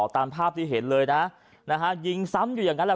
ตามภาพที่เห็นเลยนะนะฮะยิงซ้ำอยู่อย่างนั้นแหละ